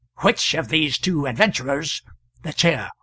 "] which of these two adventurers [The Chair.